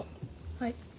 はい。